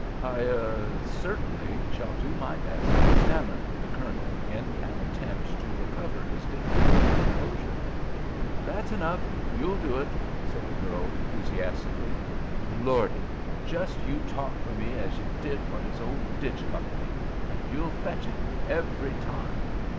"I—er—certainly shall do my best," stammered the Colonel, in an attempt to recover his dignity and composure. "That's enough! You'll do it," said the girl, enthusiastically. "Lordy! Just you talk for me as ye did for his old Ditch Company, and you'll fetch it—every time!